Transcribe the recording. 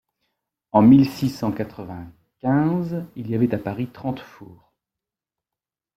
En mille six cent quatre-vingt-quinze, il y avait à Paris trente fours.